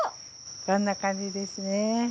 こんな感じですね。